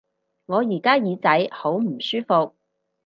我而家耳仔好唔舒服